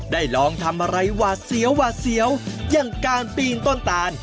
ได้ลองทำอะไรหวาเสียวอย่างการปีนต้นตาน